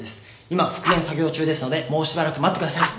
今復元作業中ですのでもうしばらく待ってください。